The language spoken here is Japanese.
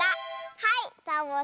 はい。